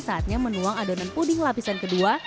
saatnya menuang adonan puding lapisan kedua